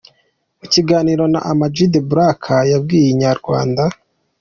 Mu kiganiro na Ama G The Black yabwiye Inyarwanda.